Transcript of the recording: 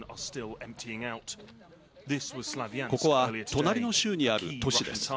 ここは、隣の州にある都市です。